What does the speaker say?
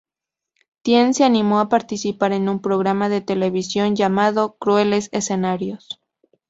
Tien se animó a participar en un programa de televisión llamado 'Crueles escenarios'.